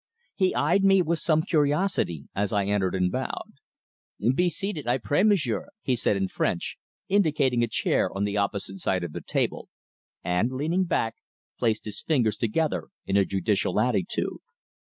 He eyed me with some curiosity as I entered and bowed. "Be seated, I pray, m'sieur," he said in French, indicating a chair on the opposite side of the table, and leaning back, placed his fingers together in a judicial attitude.